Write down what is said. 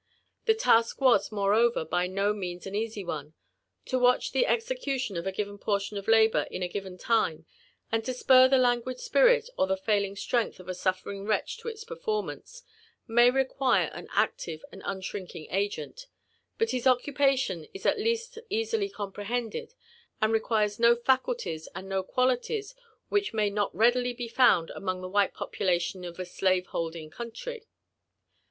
The task was moreover by no means an easy one* To watch the execution of a given portion of labour in a given time, and to spur the languid spirit or the failing strength of a suffering wretch to its performance, may require an active and unshrinking agent ; but his occupation is at least easily comprehended, and requires no faculties and no qualities which may not readily be found among the white population of a slttve^holding country.